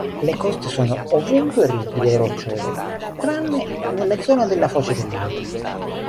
Le coste sono ovunque ripide e rocciose, tranne nella zona della foce del lago.